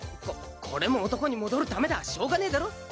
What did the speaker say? こっこれも男に戻るためだしょうがねえだろう？